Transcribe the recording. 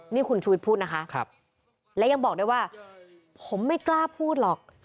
นี่คุณชูวิทย์พูดนะคะและยังบอกด้วยว่าผมไม่กล้าพูดหรอก